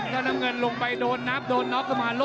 ต่างดูตรงนี้ล่ะสถานการณ์